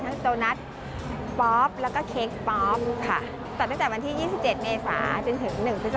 ทั้งโตนัสป๊อปแล้วก็เค้กป๊อปค่ะ